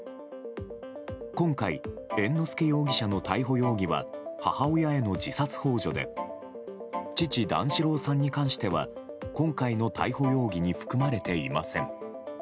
今回、猿之助容疑者の逮捕容疑は母親への自殺幇助で父・段四郎さんに関しては今回の逮捕容疑に含まれていません。